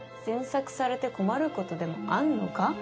詮索されて困る事でもあんのか？